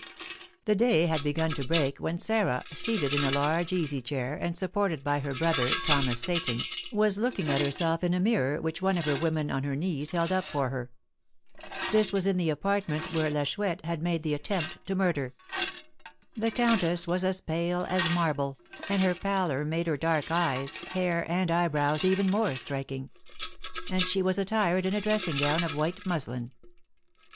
The day had begun to break when Sarah, seated in a large easy chair, and supported by her brother, Thomas Seyton, was looking at herself in a mirror which one of her woman on her knees held up before her. This was in the apartment where La Chouette had made the attempt to murder. The countess was as pale as marble, and her pallor made her dark eyes, hair, and eyebrows even more striking; and she was attired in a dressing gown of white muslin.